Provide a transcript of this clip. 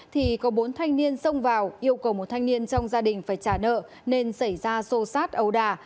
thì có bốn thanh niên xông vào yêu cầu một thanh niên trong gia đình phải trả nợ nên xảy ra xô xát ấu đà